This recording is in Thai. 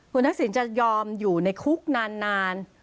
คุณทักษิณจะยอมอยู่ในคุกนาน